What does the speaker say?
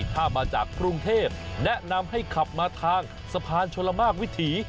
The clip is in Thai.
ถ้ามาจากกรุงเทพแนะนำให้ขับมาทางสะพานชลมากวิถี